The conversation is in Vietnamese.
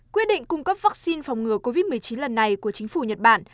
quyết định cung cấp vaccine phòng ngừa covid một mươi chín lần này của chính phủ nhật bản